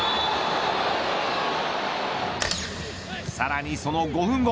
さらにその５分後。